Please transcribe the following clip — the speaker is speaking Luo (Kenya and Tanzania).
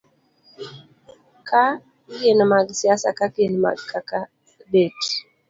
Ka ginmag siasa ka gin kaka det-